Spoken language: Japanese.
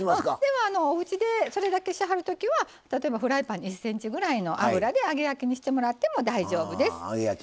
おうちで、それだけしはるときは例えばフライパン１ｃｍぐらいの油で揚げ焼きにしてもらっても大丈夫です。